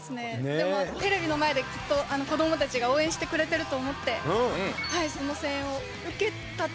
でもテレビの前できっと子供たちが応援してくれてると思ってその声援を受けたつもりで頑張ります！